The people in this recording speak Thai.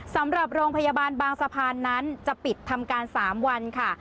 สำหรับโรงพยาบาลบางสะพานนั้นจะปิดทำการ๓วันค่ะ